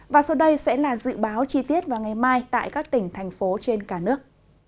và sau đây sẽ là dự báo chi tiết vào ngày mai tại các tỉnh thành phố trên cả nước